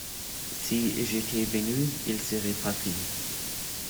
Si j'étais venu, il serait parti.